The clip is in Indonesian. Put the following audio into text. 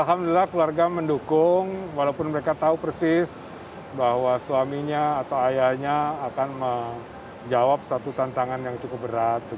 alhamdulillah keluarga mendukung walaupun mereka tahu persis bahwa suaminya atau ayahnya akan menjawab satu tantangan yang cukup berat